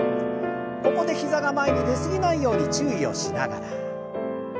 ここで膝が前に出過ぎないように注意をしながら。